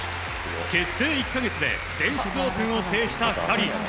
結成１か月で全仏オープンを制した２人。